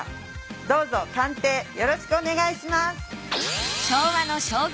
どうぞ鑑定よろしくお願いします！